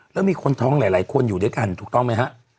แล้วมีคนท้องหลายคนอยู่ด้วยกันถูกต้องไหมฮะ